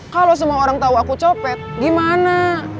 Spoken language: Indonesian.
kalau semua orang tahu aku copet gimana